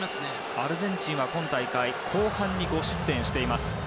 アルゼンチンは今大会後半に５失点しています。